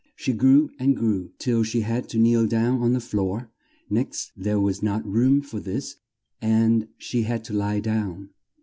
She grew and grew, till she had to kneel down on the floor; next there was not room for this and she had to lie down.